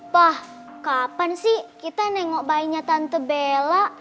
pa kapan sih kita nengok bayinya tante bella